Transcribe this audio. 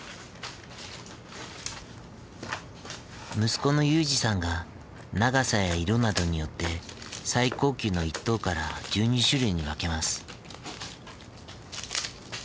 息子の裕司さんが長さや色などによって最高級の１等から１２種類に分けます。